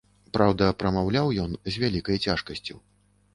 Праўда, прамаўляў ён з вялікай цяжкасцю.